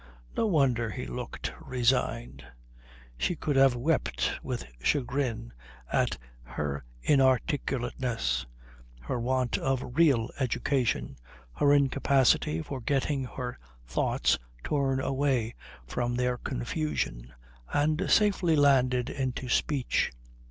No wonder he looked resigned. She could have wept with chagrin at her inarticulateness, her want of real education, her incapacity for getting her thoughts torn away from their confusion and safely landed into speech.